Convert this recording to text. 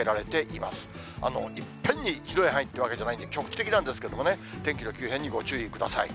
いっぺんに広い範囲っていうわけじゃないんで、局地的なんですけれどもね、天気の急変にご注意ください。